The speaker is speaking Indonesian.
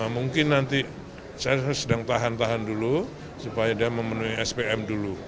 mungkin nanti saya sedang tahan tahan dulu supaya dia memenuhi spm dulu